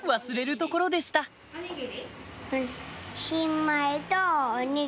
忘れるところでしたうん。